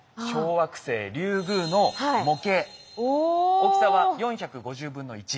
大きさは４５０分の１。